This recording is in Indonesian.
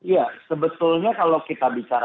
ya sebetulnya kalau kita bicara